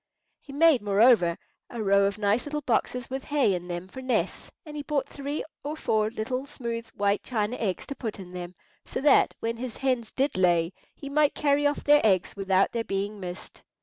He made, moreover, a row of nice little boxes with hay in them for nests, and he bought three or four little smooth white china eggs to put in them, so that, when his hens did lay, he might carry off their eggs without their being missed.